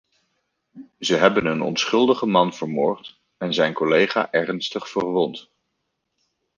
Ze hebben een onschuldige man vermoord en zijn collega ernstig verwond.